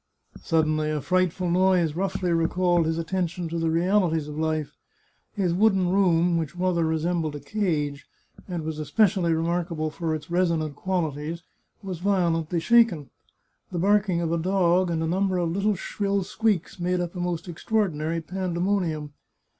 Suddenly a frightful noise roughly recalled his attention to the realities of life. His wooden room, which rather re sembled a cage, and was especially remarkable for its resonant qualities, was violently shaken; the barking of a dog and a number of little shrill squeaks made up a most extraordinary pandemonium.